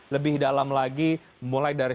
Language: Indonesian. lebih dalam lagi mulai dari